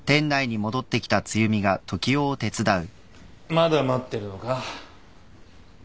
まだ待ってるのか？